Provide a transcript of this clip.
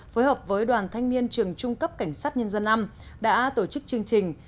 phối hợp với đoàn thanh niên trường trung cấp cảnh sát nhân dân năm đã tổ chức chương trình